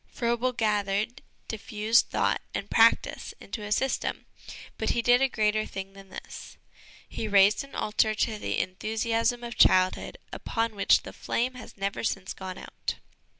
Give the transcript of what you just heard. Froebel gathered diffused thought and practice into a system, but he did a greater thing than this. He raised an altar to the enthusiasm of childhood upon which the flame has never since gone out.